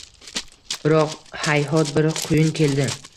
Biroq, hayhot, bir quyun keldi…